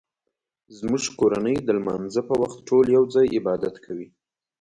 زموږ کورنۍ د لمانځه په وخت ټول یو ځای عبادت کوي